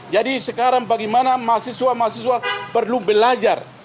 jadi sekarang bagaimana mahasiswa mahasiswa perlu belajar